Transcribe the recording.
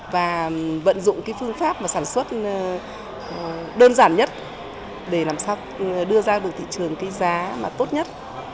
và vận dụng phương pháp sản xuất đơn giản nhất để làm sao đưa ra được thị trường giá tốt nhất